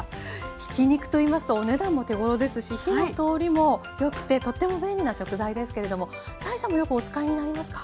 ひき肉と言いますとお値段も手ごろですし火の通りもよくてとっても便利な食材ですけれども斉さんもよくお使いになりますか？